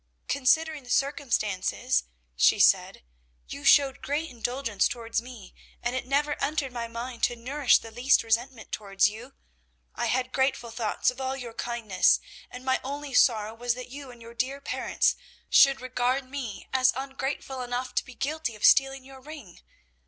"Considering the circumstances," she said, "you showed great indulgence towards me, and it never entered my mind to nourish the least resentment towards you. I had grateful thoughts of all your kindness, and my only sorrow was that you and your dear parents should regard me as ungrateful enough to be guilty of stealing your ring.